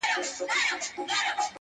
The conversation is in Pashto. زه چي زلمی ومه کلونه مخکي-